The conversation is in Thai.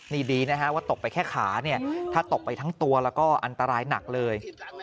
นี่ดีนะฮะว่าตกไปแค่ขาเนี่ยถ้าตกไปทั้งตัวแล้วก็อันตรายหนักเลย